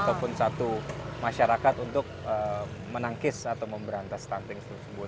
ataupun satu masyarakat untuk menangkis atau memberantas stunting tersebut